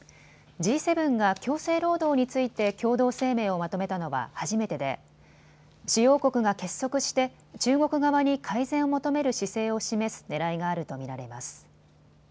Ｇ７が強制労働について共同声明をまとめたのは初めてで主要国が結束して中国側に改善を求める姿勢を示すねらいがあると見られます。